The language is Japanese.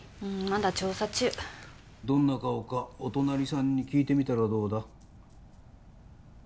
まだ調査中どんな顔かお隣さんに聞いてみたらどうだ？